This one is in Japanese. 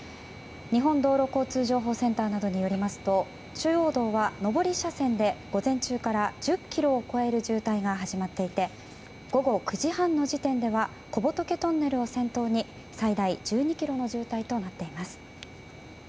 日本道路交通情報センターなどによりますと中央道は上り車線で午前中から１０ｋｍを超える渋滞が始まっていて午後９時半の時点では小仏トンネルを先頭に最大１２ｋｍの渋滞となっています。